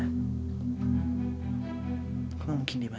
aku nggak mungkin di maja